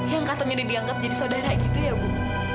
yang katanya didiangkap jadi sodara gitu ya bu